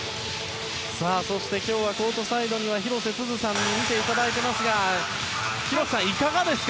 そして今日はコートサイドに広瀬すずさんにも見ていただいていますがいかがですか？